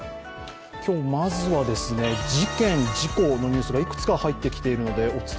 今日まずは事件・事故のニュースがいくつか入ってきています。